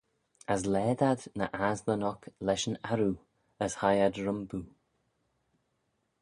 As laad ad ny assylyn oc lesh yn arroo, as hie ad rhymboo.